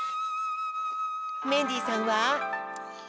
メンディーさんは？